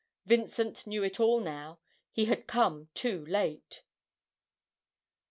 Vincent knew it all now he had come too late!